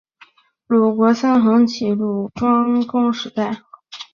鲁国的三桓起于鲁庄公时代。